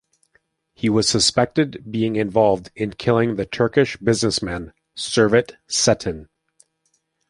He was suspected being involved in killing the Turkish businessman Servet Cetin.